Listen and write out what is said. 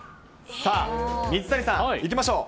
さあ、水谷さん、いきましょう。